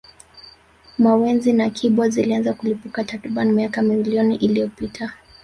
Mawenzi na Kibo zilianza kulipuka takriban miaka milioni iliyopita